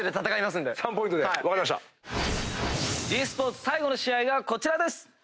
ｇスポーツ最後の試合がこちら。